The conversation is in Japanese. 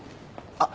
あっ！